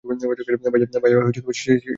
ভাইয়া, সে ধরা পড়েছে।